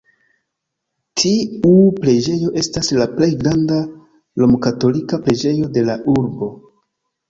Tiu preĝejo estas la plej granda romkatolika preĝejo de la urbo.